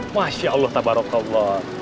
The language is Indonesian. masya allah tabarakallah